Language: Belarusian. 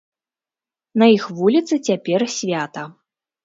На іх вуліцы цяпер свята.